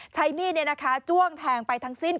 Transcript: ใช้มีดนี่นะคะจ้วงแทงไปทั้งสิ้น